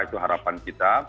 itu harapan kita